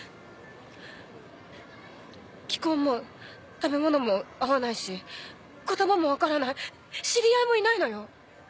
気候も食べ物も合わないし言葉も分からない知り合いもいないのよ？